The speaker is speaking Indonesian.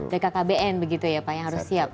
bkkbn begitu ya pak yang harus siap